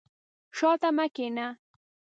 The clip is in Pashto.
شاته مي کښېنه !